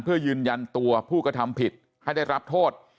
เพื่อยืนยันตัวผู้กระทำผิดให้ได้รับโทษ